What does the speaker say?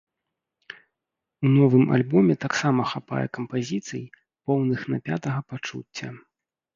У новым альбоме таксама хапае кампазіцый, поўных напятага пачуцця.